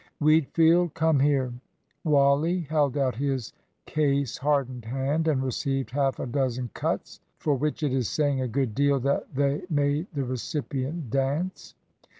"Wheatfield, come here." Wally held out his case hardened hand and received half a dozen cuts, for which it is saying a good deal that they made the recipient dance.